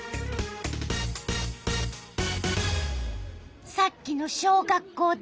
さっきの小学校では。